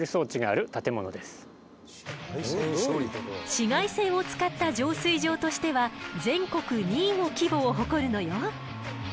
紫外線を使った浄水場としては全国２位の規模を誇るのよ。